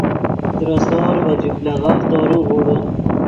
ترے سور ڤے جملغف تورو غورے